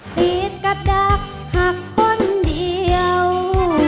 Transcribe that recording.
ดีก็ได้หากคนเดียว